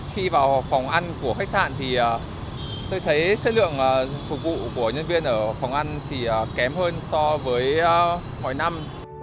khi vào phòng ăn của khách sạn thì tôi thấy chất lượng phục vụ của nhân viên ở phòng ăn thì kém hơn so với mọi năm